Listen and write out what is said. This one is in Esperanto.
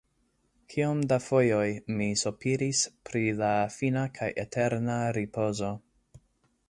Kiom da fojoj mi sopiris pri la fina kaj eterna ripozo.